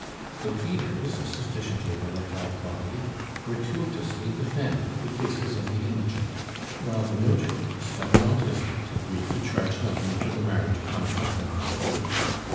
The pleaders, a sufficiently vilified body, gratuitously defend the cases of the indigent, while the notaries have not as yet agreed to charge nothing for the marriage contract of the poor.